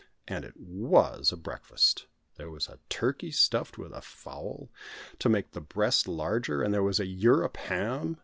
And it was a breakfast! There was a turkey stuffed with a fowl, to make the breast larger, and there was a "Europe" ham.